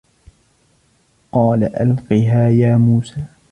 قال ألقها يا موسى